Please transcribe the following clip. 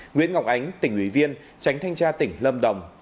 nguyễn ngọc ánh tỉnh ủy viên tránh thanh tra tỉnh lâm đồng